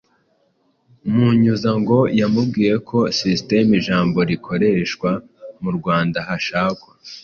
Munyuza ngo yamubwiye ko "system" ijambo rikoreshwa mu Rwanda hashakwa